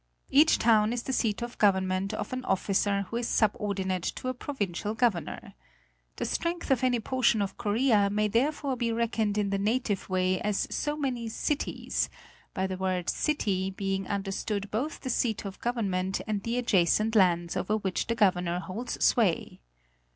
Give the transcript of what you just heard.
Each town is the seat of government of an officer who is subordinate to a pro vincial governor. The strength of any portion of Korea may therefore be reckoned in the native way as so many "cities," by the word "city," being understood both the seat of government and the adjacent lands over which the governor holds sway.